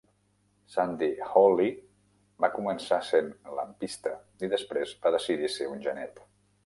Sandy Hawley va començar sent lampista i després va decidir ser un genet.